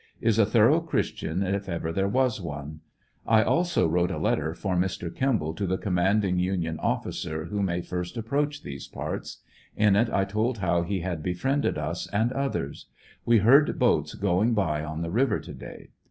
Is a thorough Christian if ever there was one. I also wrote a letter for Mr. Kimball to the commanding Union officer who may first approach these parts. In it I told how he had befriended us and others. We heard boats going by on the river to day.